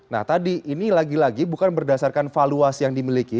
nah tadi ini lagi lagi bukan berdasarkan valuasi yang dimiliki